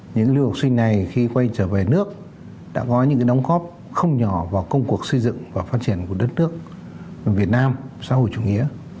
những lưu học sinh này khi quay trở về nước đã có những đóng góp không nhỏ vào công cuộc xây dựng và phát triển của đất nước việt nam xã hội chủ nghĩa